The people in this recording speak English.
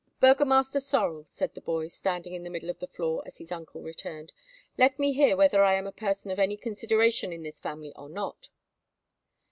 "Burgomaster Sorel," said the boy, standing in the middle of the floor as his uncle returned, "let me hear whether I am a person of any consideration in this family or not?"